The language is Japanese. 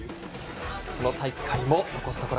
この大会も残すところ